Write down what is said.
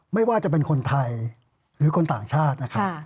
ไม่ว่าจะเป็นคนไทยหรือคนต่างชาตินะครับ